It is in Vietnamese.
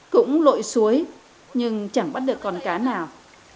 cũng lội suối nhưng chẳng bắt được con cá nào